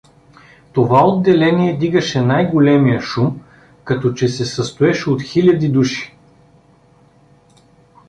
Това отделение дигаше най-големия шум, като че се състоеше от хиляди души.